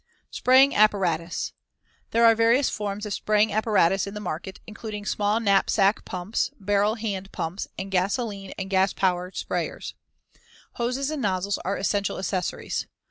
Spraying apparatus: There are various forms of spraying apparatus in the market, including small knapsack pumps, barrel hand pumps, and gasolene and gas power sprayers, Figs. 97 and 98. Hose and nozzles are essential accessories.